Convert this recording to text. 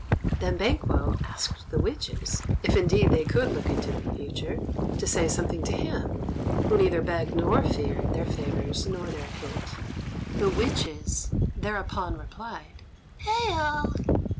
Then Banquo asked the witches, if indeed they could look into the future, to say something to him, who neither begged nor feared their favours nor their hate. The witches thereupon replied: "Hail!"